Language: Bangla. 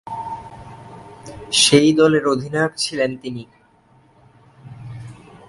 সেই দলের অধিনায়ক ছিলেন তিনি।